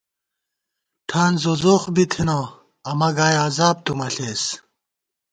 ٹھان زوزوخ بی تھنہ امہ گائی عذاب تُو مہ ݪېس